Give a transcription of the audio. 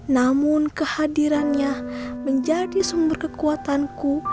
namun kehadirannya menjadi sumber kekuatanku